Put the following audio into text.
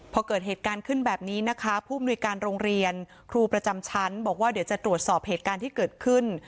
พอเกิดเหตุการณ์ขึ้นแบบนี้นะคะผู้มนุยการโรงเรียนครูประจำชั้นบอกว่าเดี๋ยวจะตรวจสอบเหตุการณ์ที่เกิดขึ้น